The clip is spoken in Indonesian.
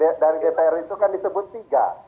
ferry itu kan disebut tiga